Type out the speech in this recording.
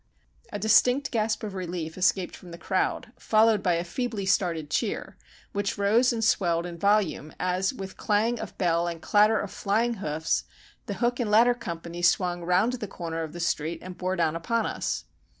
A distinct gasp of relief escaped from the crowd,—followed by a feebly started cheer, which rose and swelled in volume as with clang of bell and clatter of flying hoofs the hook and ladder company swung round the corner of the street and bore down upon us.